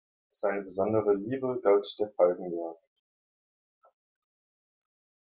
Seine besondere Liebe galt der Falkenjagd.